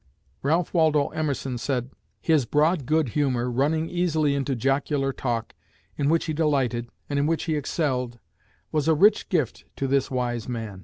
Ralph Waldo Emerson said: "His broad good humor, running easily into jocular talk, in which he delighted, and in which he excelled, was a rich gift to this wise man.